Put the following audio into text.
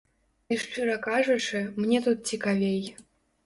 І шчыра кажучы, мне тут цікавей.